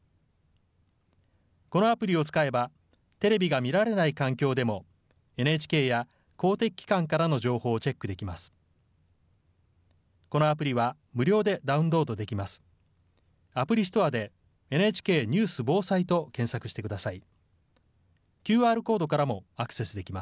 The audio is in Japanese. このアプリを使えばテレビが見られない環境でもＮＨＫや公的機関からの情報をチェックできます。